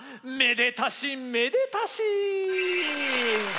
めでたしめでたし。